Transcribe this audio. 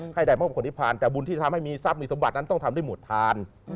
ให้ได้เพราะคนที่ผ่านแต่บุญที่จะทำให้มีทรัพย์มีสมบัตินั้นต้องทำด้วยหมวดทาน